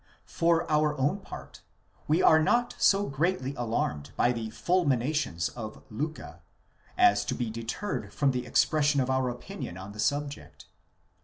58 For our own part, we are not so greatly alarmed by the fulminations of Liicke, as to be deterred from the expression of our opinion on the subject.